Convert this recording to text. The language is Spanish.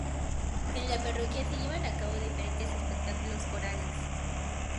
En la parroquia se llevan a cabo diferentes espectáculos corales.